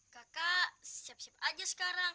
kakak siap siap aja sekarang